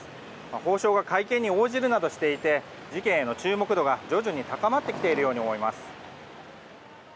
法相が会見に応じるなどしていて事件への注目度が徐々に高まってきているように思います。